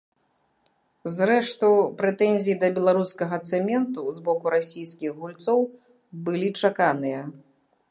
Зрэшты, прэтэнзіі да беларускага цэменту з боку расійскіх гульцоў былі чаканыя.